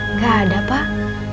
nggak ada pak